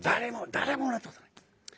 誰ももらったことがない。